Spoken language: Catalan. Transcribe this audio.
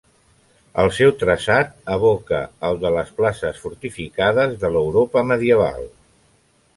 El seu traçat evoca el de les places fortificades de l'Europa medieval.